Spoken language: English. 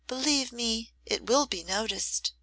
Believe me, it will be noticed.